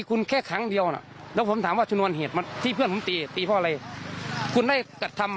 คือยืนยันว่านี่คือบ่อนแน่นอน